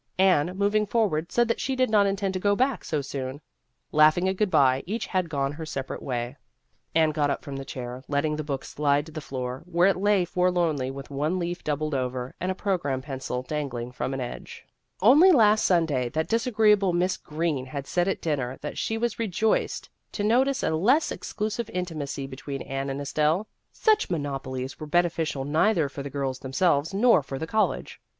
Anne, moving forward, said that she did not intend to go back so soon. Laughing a good bye, each had gone her separate way. Anne got up from the chair, letting the book slide to the floor, where it lay for lornly with one leaf doubled over, and a program pencil dangling from an edge. 142 Vassar Studies Only last Sunday that disagreeable Miss Greene had said at dinner that she was rejoiced to notice a less exclusive intimacy between Anne and Estelle ; such monopo lies were beneficial neither for the girls themselves nor for the college.